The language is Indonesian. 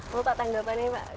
mau pak tanggapannya pak